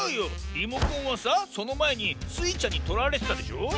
リモコンはさそのまえにスイちゃんにとられてたでしょ？